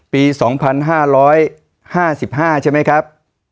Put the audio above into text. ปี๒๕๕๕ใช่มั้ยครับ